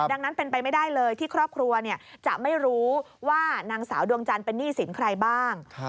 ดังนั้นเป็นไปไม่ได้เลยที่ครอบครัวจะไม่รู้ว่านางสาวดวงจันทร์เป็นหนี้สินใครบ้าง